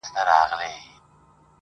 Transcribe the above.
یار نمک حرام نه یم چي هغه کاسه ماته کړم,